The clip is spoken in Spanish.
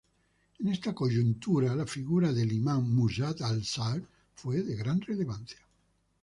En esta coyuntura, la figura del imam Musa Al-Sadr fue de gran relevancia.